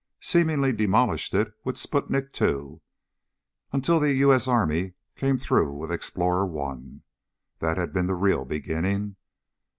seemingly demolished it with Sputnik II until the U. S. Army came through with Explorer I. That had been the real beginning.